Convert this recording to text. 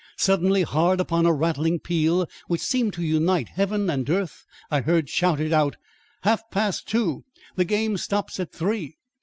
Suddenly hard upon a rattling peal which seemed to unite heaven and earth, I heard shouted out: "Half past two! The game stops at three."